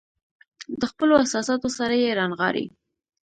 له خپلو احساساتو سره يې رانغاړي.